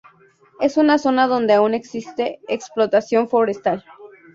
Es una zona donde aún existe explotación forestal.